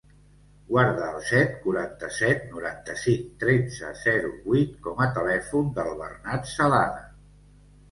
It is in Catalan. Guarda el set, quaranta-set, noranta-cinc, tretze, zero, vuit com a telèfon del Bernat Celada.